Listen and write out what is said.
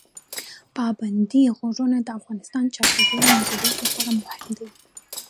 پابندي غرونه د افغانستان د چاپیریال مدیریت لپاره مهم دي.